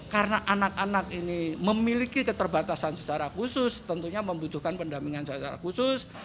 karena anak anak ini memiliki keterbatasan secara khusus tentunya membutuhkan pendamingan secara khusus